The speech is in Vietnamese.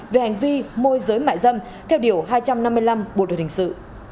về hành vi môi giới mại dâm theo điều hai trăm năm mươi năm bộ đội hình sự